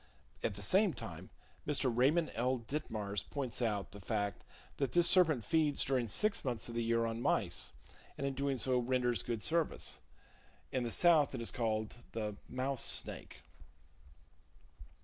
At the same time Mr. Raymond L. Ditmars points out the fact that this serpent feeds during 6 months of the year on mice, and in doing so renders good service. In the South it is called the "Mouse Snake."